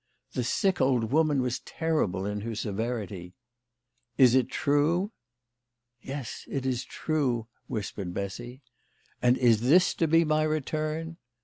The sick old woman was terrible in her severity. "Is it true ?"" Yes, it is true," whispered Bessy. "And this is to be my return